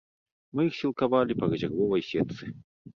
Мы іх сілкавалі па рэзервовай сетцы.